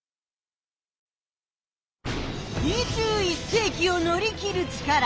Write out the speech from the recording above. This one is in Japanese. ２１世きを乗り切る力。